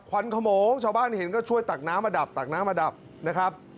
ขวัญขโมงชาวบ้านเห็นก็ช่วยตักน้ำมาดับนะครับ